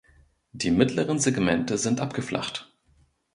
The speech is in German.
Die mittleren Segmente sind abgeflacht.